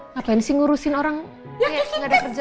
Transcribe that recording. ngapain sih ngurusin orang yang gak ada kerjaan